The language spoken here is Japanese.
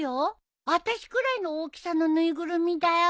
あたしくらいの大きさの縫いぐるみだよ。